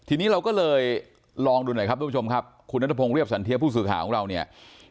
ทีนี้เราก็เลยลองดูหน่อยครับทุกผู้ชมครับคุณนัทพงศ์เรียบสันเทียผู้สื่อข่าวของเราเนี่ย